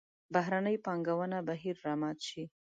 بهرنۍ پانګونې بهیر را مات شي.